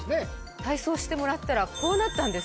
体操してもらったらこうなったんです。